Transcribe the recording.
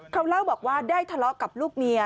เขาเล่าบอกว่าได้ทะเลาะกับลูกเมีย